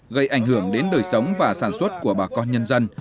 gây ảnh hưởng đến đời sống và sản xuất của bà con nhân dân